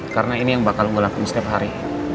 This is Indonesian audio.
karena ini yang bakal gue lakuin setiap hari